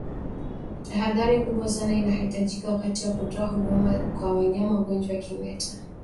Tahadhari kubwa sana inahitajika wakati wa kutoa huduma kwa wanyama wagonjwa wa kimeta